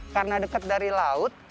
karena dekat dari laut